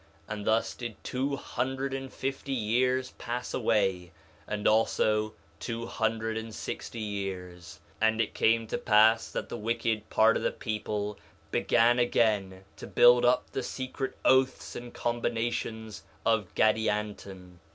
And thus did two hundred and fifty years pass away, and also two hundred and sixty years. 4 Nephi 1:42 And it came to pass that the wicked part of the people began again to build up the secret oaths and combinations of Gadianton.